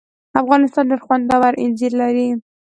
افغانستان ډېر خوندور اینځر لري.